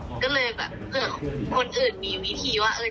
ก็เลยแบบคนอื่นมีวิธีว่าจะติดต่อยังไงได้บ้าง